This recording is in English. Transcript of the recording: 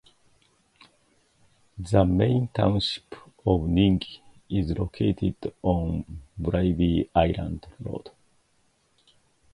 The main township of Ningi is located on Bribie Island Road.